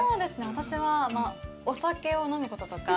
私はお酒を飲むこととか。